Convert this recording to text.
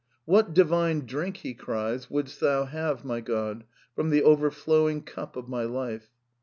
'' "What divine drink," he cries, "would'st thou have, my God, from the overflowing cup of my life